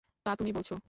তা তুমি বলছ!